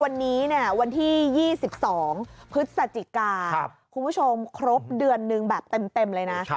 วันนี้วันที่๒๒พฤศจิกาคุณผู้ชมครบเดือนนึงแบบเต็มเลยนะ